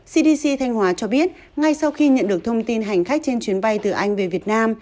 cdc thanh hóa cho biết ngay sau khi nhận được thông tin hành khách trên chuyến bay từ anh về việt nam